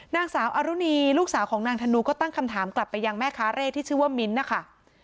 นางสาวอรุณีลูกสาวของนางธนูก็ตั้งคำถามกลับไปยังแม่ค้าเร่ที่ชื่อว่ามิ้นท์นะคะ